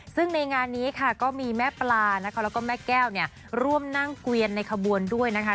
ซึ่งในงานนี้ค่ะก็มีแม่ปลานะคะแล้วก็แม่แก้วเนี่ยร่วมนั่งเกวียนในขบวนด้วยนะคะ